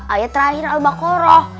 ayat terakhir al baqarah